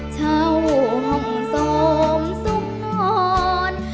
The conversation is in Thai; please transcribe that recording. เช้าห่องสมสุขห่อน